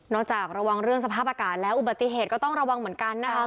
จากระวังเรื่องสภาพอากาศแล้วอุบัติเหตุก็ต้องระวังเหมือนกันนะครับ